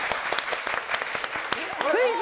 クイズ！